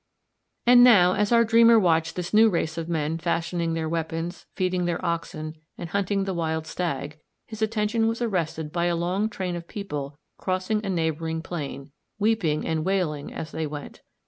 ] And now, as our dreamer watched this new race of men fashioning their weapons, feeding their oxen, and hunting the wild stag, his attention was arrested by a long train of people crossing a neighbouring plain, weeping and wailing as they went.